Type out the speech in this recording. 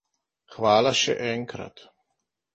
Hvala še enkrat.